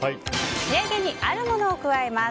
仕上げにあるものを加えます。